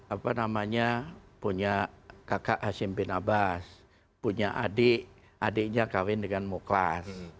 apa namanya punya kakak hashim bin abbas punya adik adiknya kawin dengan muklas